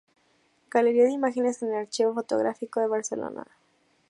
Galería de imágenes en el archivo fotográfico de Barcelona